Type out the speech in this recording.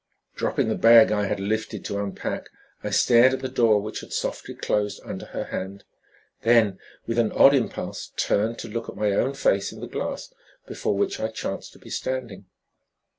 Dropping the bag I had lifted to unpack, I stared at the door which had softly closed under her hand, then, with an odd impulse, turned to look at my own face in the glass before which I chanced to be standing.